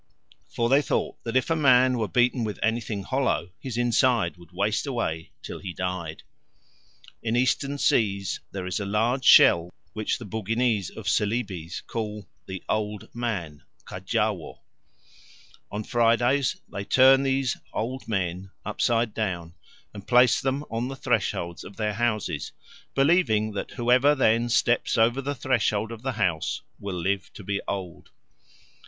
For they thought that if a man were beaten with anything hollow, his inside would waste away till he died. In eastern seas there is a large shell which the Buginese of Celebes call the "old man" (kadjâwo). On Fridays they turn these "old men" upside down and place them on the thresholds of their houses, believing that whoever then steps over the threshold of the house will live to be old.